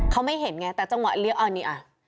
เขาไม่เห็นไงแต่จังหวะเลี้ยวอันนี้อ่ะ